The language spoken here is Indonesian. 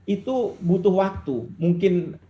itu butuh waktu mungkin